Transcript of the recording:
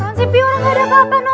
nasi pi orang gak dapet apa apa